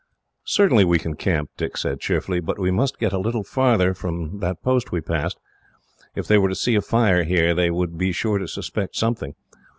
"Certainly we can camp," Dick said cheerfully. "But we must get a little bit farther from that post we passed. If they were to see a fire, here, they would be sure to suspect something.